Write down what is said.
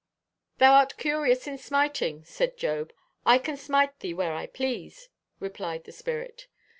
'Thou art curious in smiting,' said Job. 'I can smite thee where I please,' replied the spirit.